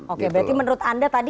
oke berarti menurut anda tadi